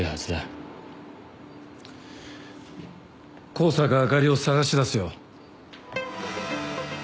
香坂朱里を捜し出すよ。